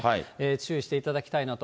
注意していただきたいなと。